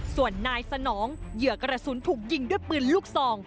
ส่วนนายสนองเหยื่อกระสุนถูกยิงด้วยปืนลูกซอง